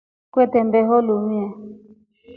Kutembeho linu.